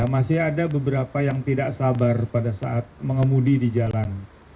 masih ada beberapa yang tidak sabar pada saat mengemudi di jalan